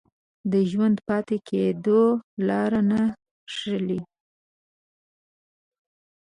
د ژوندي پاتې کېدو لاره نه ښييلې